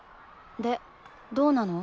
でどうなの？